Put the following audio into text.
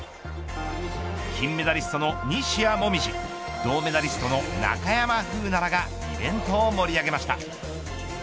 金メダリストの西矢椛銅メダリストの中山楓奈らがイベントを盛り上げました。